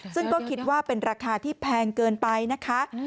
ซึ่งก็คิดว่าเป็นราคาที่แพงเกินไปนะคะ